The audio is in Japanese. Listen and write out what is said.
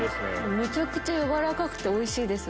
めちゃくちゃ軟らかくておいしいです。